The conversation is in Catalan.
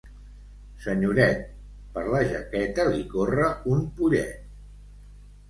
Senyoret, per la jaqueta li corre un pollet.